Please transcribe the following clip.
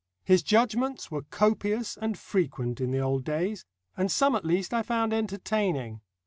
His judgments were copious and frequent in the old days, and some at least I found entertaining.